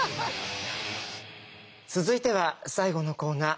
続いては最後のコーナー